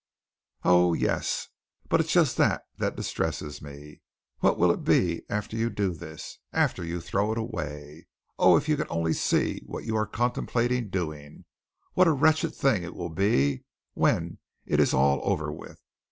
"Oh, yes, but it is just that that distresses me. What will it be after you do this after you throw it away? Oh, if you could only see what you are contemplating doing what a wretched thing it will be when it is all over with.